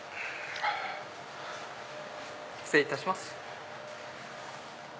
失礼いたします。